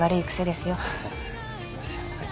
すいません。